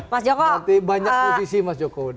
mas joko nanti banyak posisi mas joko